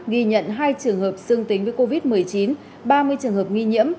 ghi nhận hai trường hợp dương tính với covid một mươi chín ba mươi trường hợp nghi nhiễm